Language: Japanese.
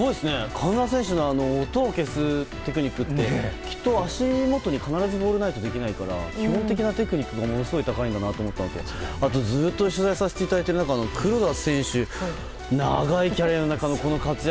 川村選手の音を消すテクニックってきっと、足元に必ずボールがないとできないから基本的なテクニックがものすごい高いんだなと思ったのとずっと取材させていただいている中で黒田選手長いキャリアの中でのこの活躍